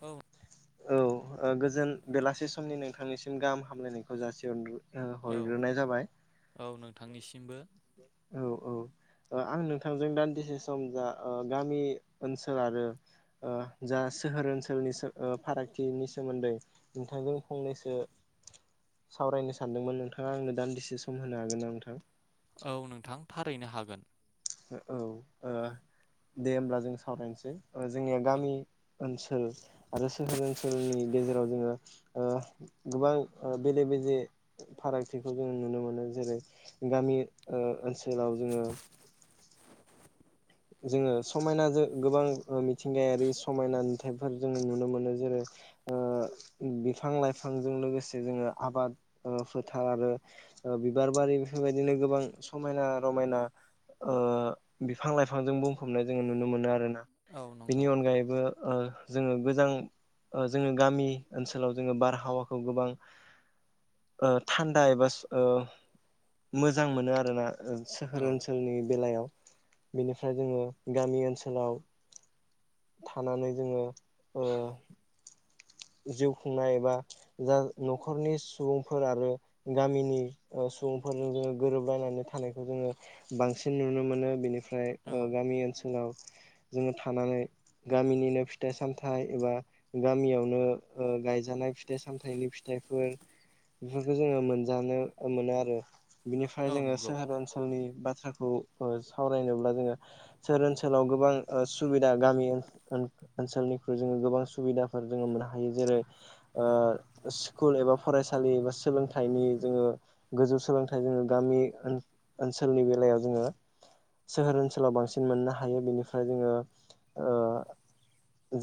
औ औ ओ गोजोन बेलासि समनि नोंथांनिसिम गाहाम हामलायनायखौ जासिहरग्रो औ औ नोंथांनिसिमबो औ औ ओ आं नोंथांजों दान्दिसे सम जा गामि ओनसोल आरो जा सोहोर ओनसोलनि सो फारागथिनि सोमोन्दै नोंथांजों फंनैसो सावरायनो सानदोंमोन नोंथाङा आंनो दान्दिसे सम होनो हागोन ना नोंथां औ नोंथां थारैनो हागोन औ ओ दे होमब्ला जों सावरायनोसै ओ जोंनिया औ गामि ओनसोल आरो सोहोर ओनसोलनि गेजेराव जोङो ओ गोबां ओ बेले बेजे फारागथिखौ जों नुनो मोनो जेरै गामि नि ओ ओनसोलाव जोङो जोङो समायना जो ओ गोबां मिथिंगायारि समायना नुथायफोर जों नुनो मोनो जेरै ओ बिफां लाइफांजों लोगोसे जोङो आबाद ओ फोथार आरो ओ बिबार बारि बेफोरबायदिनो गोबां समायना रमायना ओ बिफ फां लाइफांजों बुंफबनाय जोङो नुनो मोनो आरोना औ बिनि नंगौ अनगायैबो ओ जोङो गोजां ओ जोङो गामि ओनसोलाव जोङो बारहावाखौ गोबां थान्दा एबा मोजां मोनो आरोना। औ सोहोर ओनसोलनि बेलायाव बेनिफ्राय जोङो गामि ओनसोलाव थानानै जोङो ओ जिउ खुंनाय एबा जा न'खरनि सुबुंफोर आरो गामिनि सुबुंफोरजों जोङो गोरोबलायनानै थानायखौ जोङो बांसिन नुनो मोनो बेनि ओमफ्राय औ गामि ओनसोलाव जोङो थानानै गामिनिनो फिथाइ सामथाइ एबा गामियावनो गायजानाय फिथाइ सामथनि फिथाइफोर बेफोरखौ जोङो मोनजानो मोनो आरो। बिनिफ्राय औ जोङो नंगौ सोहोर ओनसोलनि बाथ्राखौ सावराय जोङो ओनसोलाव गोबां सुबिदा गामि ओनोलनिख्रुइ जोङो गोबां सुबिदाफोर जोङो मोननो हायो जेरै स्कुल एबा फरायसालि एबा सोलोंथाइ जोङो गोजौ सोलोंथाइनि अनगा गामि ओनसोलनि बेलायाव जोङो सोहोर ओनसोलाव बांसिन मोननो हायो। बेनिफ्राय जोङो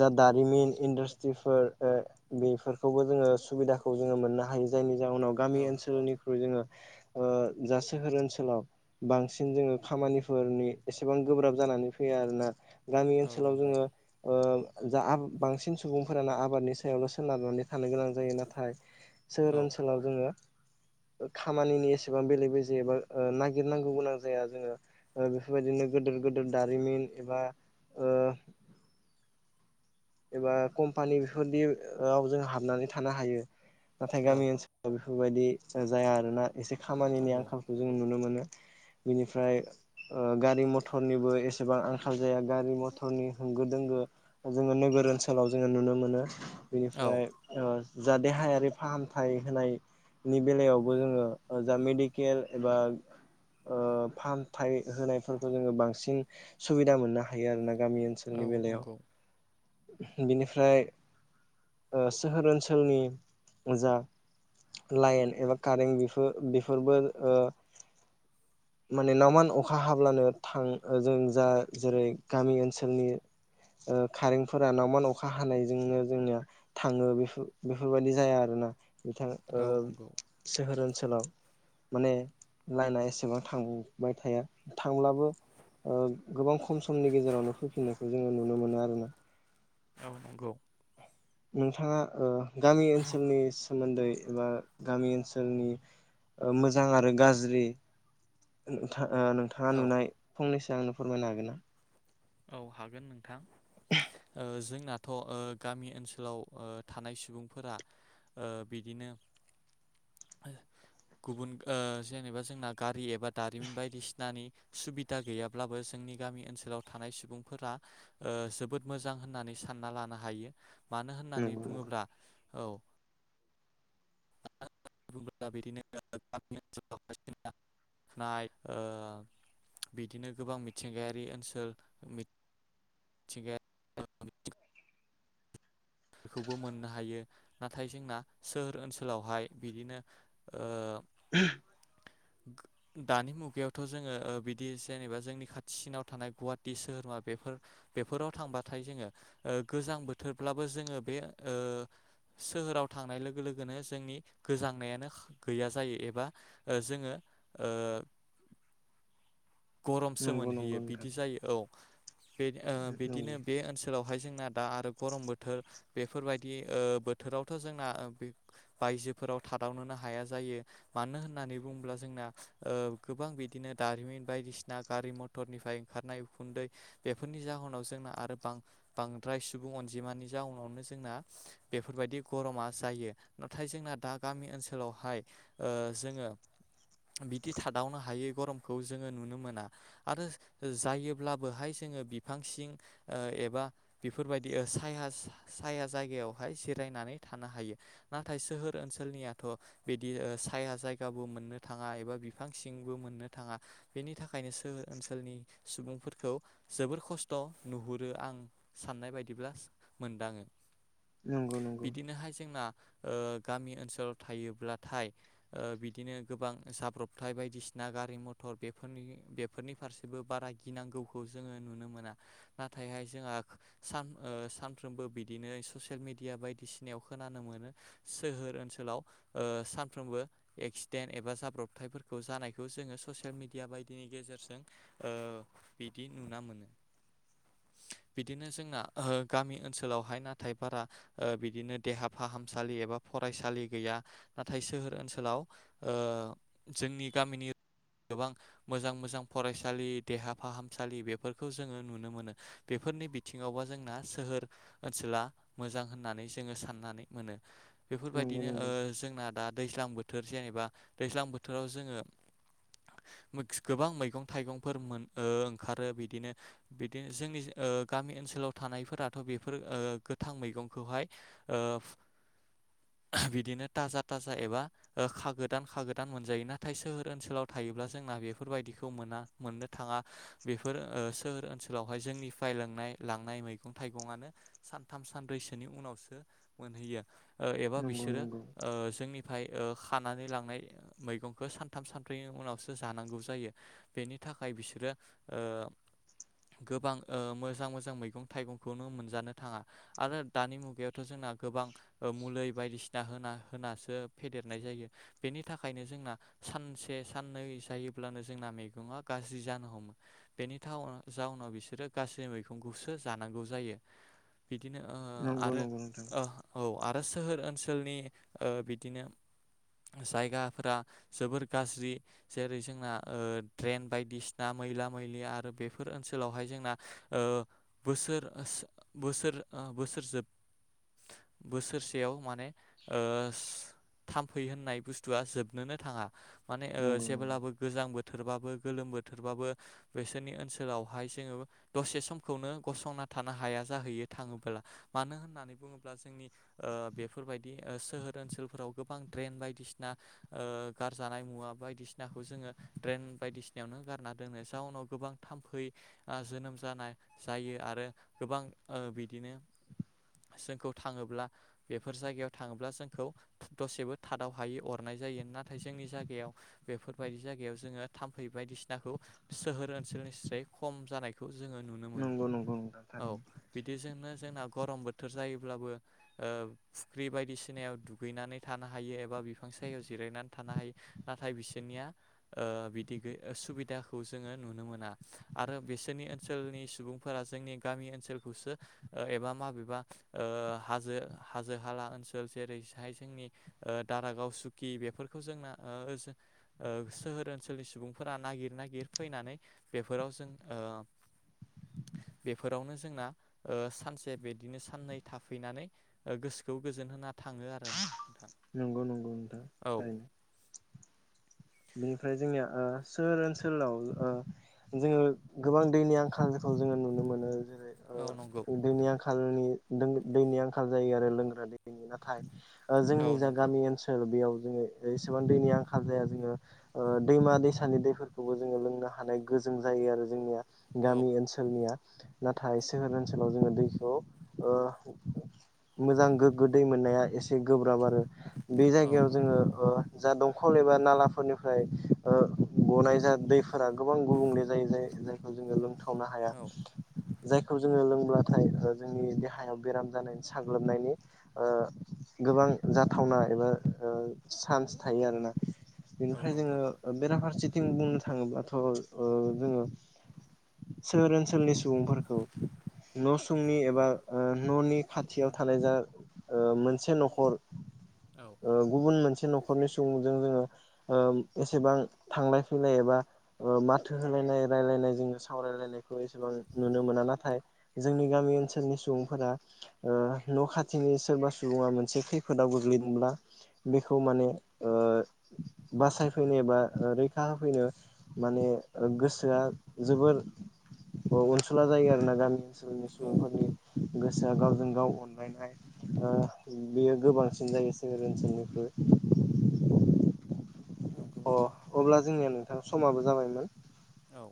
जा दारिमिन इन्डासट्रिफोर बेफोरखौबो जोङो सुबिदाखौ जोङो मोननो हायो। जायनि जा उनाव औ गामि ओनसोलनिख्रुइ जोङो जा सोहोर ओनसोलाव बांसिन जोङो खामानि फोरनि एसेबां गोब्राब जानानै फैया आरो ना गामि औ ओनसोलाव नंगौ जोङो जा बांसिन सुबुंफोरानो आबादनि सायावल' सोनारनानै थानो गोनां जायो। नाथाय सोहोर औ ओनसोलाव जोङो खामानिनि एसेबां बेले बेजेबा नागिरनांगौ गोनां जाया जोङो बेफोरबायदिनो गोदिर गोदिर दारिमिन एबा ओ एबा कम्पानि बेफोरदियाव जों हाबनानै थानो हायो। नाथाय गामि औ ओनसोलाव बेफोरबायदि जाया आरोना एसे खामानिनि नंगौ आंखालखौ जों नुनो मोनो। बिनिफ्राय गारि मथरनिबो एसेबां आंखाल जाया गारि मथरनि होंगो दोंगो जोङो नोगोर ओनसोलाव जोङो नुनो मोनो। औ बेनिफ्राय जा देहायारि फाहामथाय होनाय नि बेलायावबो जोङो जा मेडिकेल एबा फाहामथाय होनायफोरखौ जोङो बांसिन सुबिदा मोननो हायो आरो ना गामि औ ओनसोलनि बेलायाव नंगौ बिनिफ्राय सोहोर ओनसोलनि लाइन एबा कारेन्ट बेफोर बेफोरबो ओ माने नावमान अखा हाब्लानो थां जों जा जेरै गामि ओनसोलनि खारें फोरा नावमान अखा हानायजोंनो जोंनिया थाङो बे बेफोरबायदि जाया आरोना। बिथां ओ औ नंगौ सोहोर ओनसोलाव माने लाइना एसेबां थांबाय थाया थांब्लाबो गोबां खम समनि गेजेरावनो फैफिननायखौ जोङो नुनो मोनो आरोना औ नंगौ नोंथाङा गामि ओनसोलनि सोमोन्दै एबा गामि ओनसोलनि मोजां आरो गाज्रि नोंथाङा औ नुनाय फंनैसो आंनो फोरमायनो हागोन ना। औ हागोन नोंथां जों जोंनाथ' गामि ओनसोलाव थानाय सुबुंफोरा ओ बिदिनो गुबुन जेनेबा जोंना गारि एप एबा दारिमिन बायदिसिनानि सुबिदा गैयाब्लाबो जोंनि गामि ओनसोलाव थानाय सुबुंफोरा जोबोद मोजां होननानै सानना लानो हायो। मानो होननानै नंगौ नंगौ बुङोब्ला औ बिदिनो [unintelligible] नाय औ बिदिनो गोबां मिथिंगायारि ओनसोल मि थिंगायारि बेखौबो मोननो हायो नाथाय जोंना सोहोर ओनसोलावहाय बिदिनो ओ [inaudible] दानि मुगायावथ' जोङो बिदि जेनेबा जोंनि खाथिसिनाव थानाय गुवाहाटी सोहोर बेफोर बेफोराव थांबाथाय जोङो ओ गोजां बोथोरब्ला जोङो बे ओ सोहोराव थांनाय लोगो लोगोनो जोंनि गोजांनायानो गैया जायो एबा ओ जोङो ओ [inaudible] गरमसो नंगौ मोनहैयो बिदि नोंथां जायो औ। बे ओ नंगौ बिदिनो बे ओनसोलावहाय जोंना दा आरो गरम बोथोर बेफोरबायदि ओ बोथोरावथ' जोंना बे बायजोफोराव थादावनोनो हाया जायो मानो होननानै बुब्ला जोंना ओ गोबां बिदिनो दारिमिन बायदिसिना गारि मथरनिफ्राय ओंखारनाय उखुन्दै बेफोरनि जाहोनाव जोंना आरो बां-बांद्राय सुबुं अनजिमानि जाउनावनो जोंना बेफोरबायदि गरमा जायो नाथाय जोंना दा गा मि ओनसोलावहाय ओ जोङो बिदि थादावनो हायि गरमखौ जोङो नुनो मोना आरो जायोब्लाबोहाय जोङो बिफां सिं ओ एबा बेफोरबायदि सायहा साया जायगायावहाय जिरायनानै थानो हायो नाथाय सोहोर ओनसोलनियाथ' बिदि साया जायगाबो मोननो थाङा एबा बिफां सिंबो मोननो थाङा बेनि थाखायनो सोहोर ओनसोलनि सुबुंफोरखौ जोबोर खस्थ' नुहुरो आं। साननाय बायदिब्ला मोनदाङो नंगौ नंगौ बिदिनोहाय जोंना ओ गामि ओनसोलाव थायोब्लाथाय ओ बिदिनो गोबां जाब्रबथाय बायदिसिना गारि म थर बेफोरनि बेफोरनि फारसेबो बारा गिनांगौखौ जोङो नुनो मोना नाथायहाय जोंहा सान ओ सानफ्रोमबो बिदिनो ससिल मिडिया बायदिसिनायाव खोनानो मोनो सो होर ओनसोलाव ओ सानफ्रोमबो एक्सिडेन्ट एबा जाब्रबथायफोरखौ जानायखौ जोङो स सियेल मिडिया बायदिनि गेजेरजों ओ बिदि नुना मोनो। बिदिनो जोंना ओ गामि ओनसोलावहाय नाथाय बारा ओ बिदिनो देहा फाहाम फाहामसालि एबा फरायसालि गैया नाथाय सोहोर ओनसोलाव ओ जोंनि गामिनि गोबां मोजां मोजां फरायसालि देहा फाहामसालि बेफोरखौ जोङो नुनो मोनो बेफोरनि बिथिङावबा जोंना सोहोर ओनसोला मोजां होननानै जोङो साननानै मोनो। बेफोरबायदिनो ओ जोंना दा दैज्लां बोथोर जेनेबा दैज्लां बोथोराव जोङो [inaudible] गोबां मैगं थाइगंफोर मोन ओ ओंखारो बिदिनो बिदिनो जोंनि ओ गा मि ओनसोलाव थानायफोराथ' बेफोर ओ गोथां मैगंखौहाय ओ [inaudible] बिदिनो थाजा थाजा एबा ओ खागोदान खागोदान मोनजायो नाथाय सोहो र ओनसोलाव थायोब्ला जोंना बेफोरबायदिखौ मोना मोननो थाङा बेफोर सोहोर ओनसोलावहाय जोंनिफ्राय लोंनाय लांनाय मैगं थाइगंनो सानथाम सानब्रैसोनि उनावसो मोनहैयो ओ एबा नंगौ नंगौ बिसोरो ओ जोंनिफ्राय ओ खानानै लांनाय मैगंखौ सान थाम सानथ्रैनि उनावसो जानांगौ जायो बेनि थाखाय बिसोरो ओ गोबां ओ मोजां मोजां मैगं थाइगंखौनो मोनजानो थाङा आरो दानि मुगायावथ' जों ना गोबां ओ मुुलि बायदिसिना होना होनासो फेदेरनाय जायो बेनि थाखायनो जोंना सानसे साननै जायोब्लानो जोंना मैगंङा गाज्रि जानो हमो बेनि थाव जाव नाव बिसोरो गाज्रि मैखंखौसो जानांगौ जायो। बिदिनो ओ नंगौ नंगौ आरो नोंथां ओ औ आ दा सोहोर ओनसोलनि ओ बिदिनो जायगाफोरा जोबोर गाज्रि जेरै जोंना ओ ड्रेन बायदिसिना मैला मैलि आरो बेफोर ओनसोल ओनसोलावहाय जोंना ओ बोसोर स बोसोर बोसोर सो बोसोरसेयाव माने ओस थाम्फै होननाय बुस्थुआ जोबनोनो थाङा माने ओ नंगौ नंगौ जेब्लाबो गोजां बो थोरबाबो गोलोम बोथोरबाबो बिसोरनि ओनसोलावहाय जोङो दसे समखौनो गसंना थानो हाया जाहैयो थाङोब्ला मानो होननानै बुङोब्ला जोंनि ओ बेफोरबायदि सो ओनसोलफोराव गोबां द्रेन बायदिसिना गारजानाय मुवा बायदिसिनाखौ जोङो ड्रेन बायदिसिनायावनो गारना दोनो जाउनाव गोबां थाम्फै आ जोनोम जानाय जायो आरो गोबां ओ बिदिनो जोंखौ थाङोब्ला बेफोर जायगायाव थाङोब्ला जोंखौ दसेबो थादाव हायै अरनाय जायो ना नाथाय जोंनि जायगायाव बेफोरबायदि जायगायाव जोङो थाम्फै बायदिसिनाखौ सोहोर ओनसोलनिस्राय खम जानायखौ जोङो नुनो मोनो नंगौ नंगौ नोंथां थारैनो औ बिदिजोंनो जोंना गरम बोथोर जायोब्लाबो ओ फुख्रि बायदिसिनायाव दुगैनानै थानो हायो एबा बिफां सायायाव जिरायनानै थानो हायो नाथाय बिसोरनिया ओ बिदि सुबिदाखौ जोङो नुनो मोना आरो बिसोरनि ओनसोलनि सुबुंफोरा जोंनि गामि ओनसोलखौसो एबा माबेबा ओ ओ हाजो हाजो हाला ओनसोल जेरैहाय जोंनि दारागाव सुकि बेफोर जों ओ सोहोर ओ ओनसोलनि सुबुंफोरा नागिर नागिर फैनानै बेफोराव जों ओ बेफोरावनो जोंना ओ सानसे बिदिनो साननै थाफैनानै गोसो खौ गोजोनहोना थाङो आरो नोंथां नंगौ नंगौ नोंथां औ थारैनो बेनिफ्राय जोंनिया ओ सोहोर ओनसोलाव जोङो गोबां दैनि आंखाल खौ जोङो नुनो मोनो जेरै औ नंगौ दैनि आंखाल आंखालनि दैनि आंखाल जायो आरो लोंग्रा दैनि नाथाय ओ औ जोंनि जा नंगौ गामि ओनसोल बेयाव जोङो एसेबां दैनि आंखाल जाया जोङो ओ दैमा दैसानि दैफोरखौबो जोङो लोंनो हानाय गोजों जायो आरो जोंनिया औ गामि ओनसोलनिया नाथाय सोहोर ओनसोलाव जोङो दैखौ ओ मोजां गोग्गो दै मोननाया एसे गोब्राब आरो बे औ जायगायाव जोङो नंगौ ओ जा दंखल एबा नाला फोरनिफ्राय ओ गनाय जा दैफोरा गोबां गुबुंले जायो जाय जायखौ जोङो लोंथा वनो हाया औ जायखौ जोङो लोंब्लाथाय ओ जोंनि देहायाव बेराम जानायनि साग्लोबनायनि ओ गोबां जाथावना एबा ओ चान्स थायो आरोना औ बेनिफ्राय जोङो नंगौ बेराफारसेथिं बुंनो थाङोब्लाथ' ओ जोङो सोहोर ओनसोलनि सुबुंफोरखौ नसुंनि एबा ओ ननि खाथियाव थानाय जा ओ मोनसे नखर औ ओ गुबुन मोनसे नखरनि सुबुंजोंनो ओ एसेबां थांलाय फैलाय एबा ओ माथो होलायनाय रायलायनाय जोङो सावरायलायनाय एसेबां नुनो मोना नाथाय जोंनि गामि ओनसोलनि सुबुंफोरा ओ न' खाथि जोंनि सोरबा सुबुङा मोनसे खैफोदाव गोग्लैदोंब्ला बेखौ माने ओ बासायफैनो बा रैखा होफैनो माने गोसोआ जोबोद अनसुला जायो आरो ना गामि ओनसोलनि औ सुबुंफोरनि गोसोआ गावजों गाव अनलायनाय ओ बेयो गोबांसिन जायो सोहोर ओनसोलनिफ्राय [unintelligible] नंगौ अ नोंथां अब्ला जोंनिया नोंथां समाबो जाबायमोन औ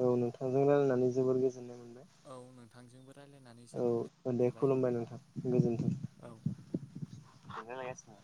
औ नोंथांजों रायलायनानै जोबोर गोजोननाय मोनदों औ नोंथांजोंबो रायज्लायनानै औ जोबोर गोजोन दे मोनबाय खुलुमबाय नोंथां गोजोनथों औ लायगासिनो